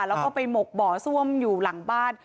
แล้วก็ไปหมกบ่อซ่วมอยู่หลังบ้าน